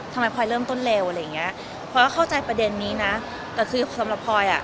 พลอยเริ่มต้นเร็วอะไรอย่างเงี้ยพลอยก็เข้าใจประเด็นนี้นะแต่คือสำหรับพลอยอ่ะ